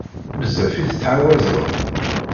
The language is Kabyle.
Bezzaf i tettɛawazeḍ.